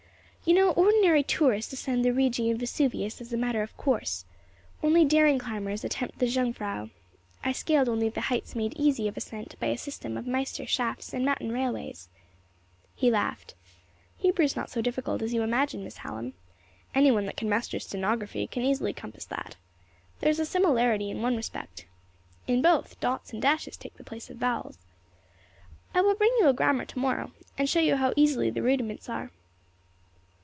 You know ordinary tourists ascend the Rigi and Vesuvius as a matter of course. Only daring climbers attempt the Jungfrau. I scaled only the heights made easy of ascent by a system of meister schafts and mountain railways." He laughed. "Hebrew is not so difficult as you imagine, Miss Hallam. Any one that can master stenography can easily compass that. There is a similarity in one respect. In both, dots and dashes take the place of vowels. I will bring you a grammar to morrow, and show you how easy the rudiments are."